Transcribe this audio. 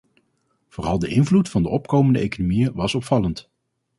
Vooral de invloed van de opkomende economieën was opvallend.